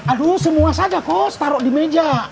aduh semua saja kos taruh di meja